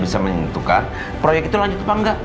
bisa menentukan proyek itu lanjut apa enggak